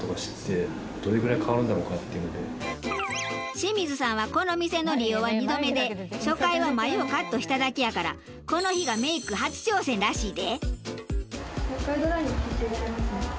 清水さんはこの店の利用は２度目で初回は眉をカットしただけやからこの日がメイク初挑戦らしいで。